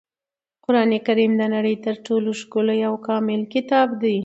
قرانکریم د نړۍ تر ټولو ښکلی او کامل کتاب دی.